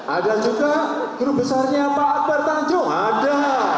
ada juga grup besarnya pak akbar tanjung ada